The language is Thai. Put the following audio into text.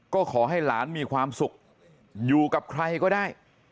ก็ขอให้หลานมีความสุขอยู่กับใครก็ได้